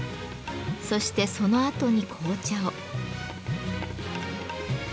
そしてそのあとに紅茶を。